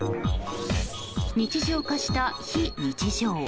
日常化した非日常。